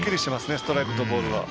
ストライクとボールが。